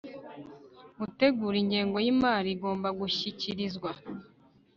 gutegura ingengo y imari igomba gushyikirizwa